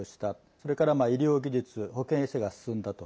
それから、医療技術保健衛生が進んだと。